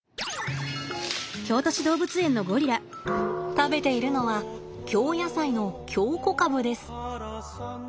食べているのは京野菜の京こかぶです。